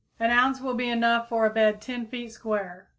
An ounce will be enough for a bed 10 feet square.